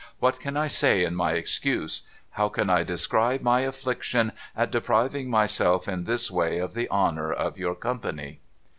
What can I say in my excuse? How can I describe my affliction at depriving myself in this way of the honour of your company